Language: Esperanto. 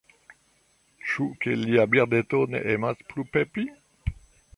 Ĉu, ke lia birdeto ne emas plu pepi?